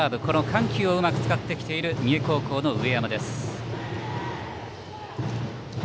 緩急をうまく使ってきている三重高校の上山です。